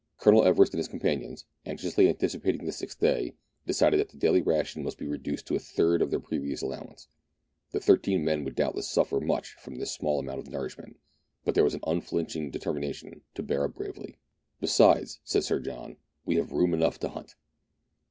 THREE ENGLISHMEN AND THREE RUSSIANS. I91 Colonel Everest and his companions, anxiously anticipating the sixth day, decided that the daily ration must be reduced to a third of their previous allowance. The thirteen men would doubtless suffer much from this small amount of nourishment, but there was an unflinching determination to bear up bravely. "Besides," said Sir John, "we have room enough to hunt."